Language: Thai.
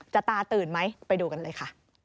ตาตื่นไหมไปดูกันเลยค่ะ